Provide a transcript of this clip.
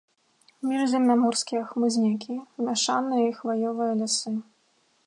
Міжземнаморскія хмызнякі, мяшаныя і хваёвыя лясы.